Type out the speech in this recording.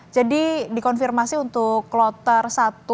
jadi dikonfirmasi untuk kloter i